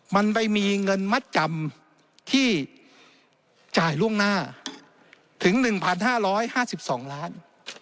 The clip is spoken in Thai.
มันไปมีเงินมัดจำที่จ่ายล่วงหน้าถึง๑๕๕๒ล้าน